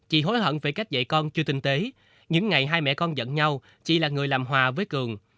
chị hối hận về cách dạy con chưa tinh tế những ngày hai mẹ con dẫn nhau chị là người làm hòa với cường